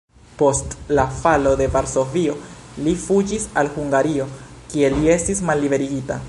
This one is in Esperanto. Post la falo de Varsovio li fuĝis al Hungario, kie li estis malliberigita.